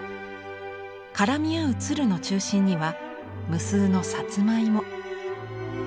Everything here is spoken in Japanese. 絡み合うつるの中心には無数のさつまいも。